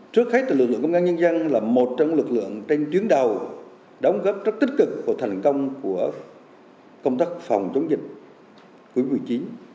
trước khách từ lực lượng công an nhân dân là một trong lực lượng trên chuyến đầu đóng góp rất tích cực của thành công của công tác phòng chống dịch covid một mươi chín